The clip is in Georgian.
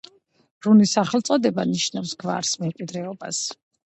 რუნის სახელწოდება ნიშნავს „გვარს“, „მემკვიდრეობას“.